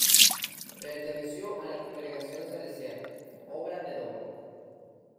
Perteneció a la congregación salesiana, obra de Don Bosco.